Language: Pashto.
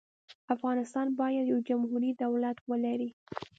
افغانستان باید یو جمهوري دولت ولري.